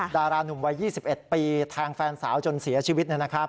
ดาราหนุ่มวัย๒๑ปีทางแฟนสาวจนเสียชีวิตนะครับ